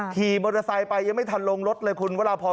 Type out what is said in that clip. ขี่มอเตอร์ไซค์ไปยังไม่ทันลงรถเลยคุณวราพร